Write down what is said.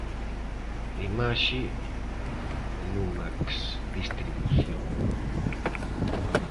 Imaxe: Numax Distribución.